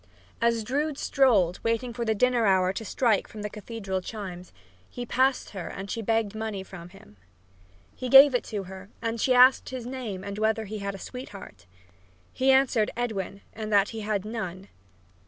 As Drood strolled, waiting for the dinner hour to strike from the cathedral chimes, he passed her and she begged money from him. He gave it to her and she asked him his name and whether he had a sweetheart. He answered Edwin, and that he had none.